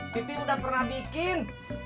pipi udah pernah bikin